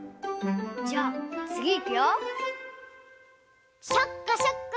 じゃあつぎいくよ。